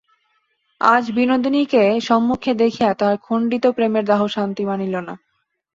আজ বিনোদিনীকে সম্মুখে দেখিয়া তাহার খণ্ডিত প্রেমের দাহ শান্তি মানিল না।